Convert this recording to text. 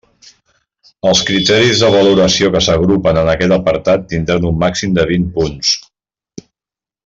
Els criteris de valoració que s'agrupen en aquest apartat tindran un màxim de vint punts.